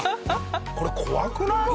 これ怖くない？